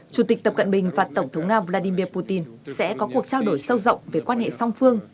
chủ tịch tập cận bình và tổng thống nga vladimir putin sẽ có cuộc trao đổi sâu rộng về quan hệ song phương